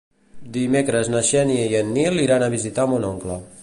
Dimecres na Xènia i en Nil iran a visitar mon oncle.